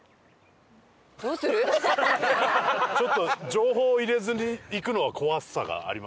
情報入れずに行くのは怖さがありますね。